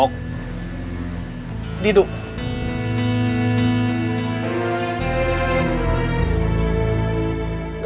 aku mau ke sana